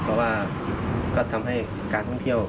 เพราะว่าก็ทำให้การท่องเที่ยว